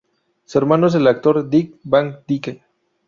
Su hermano es el actor Dick Van Dyke.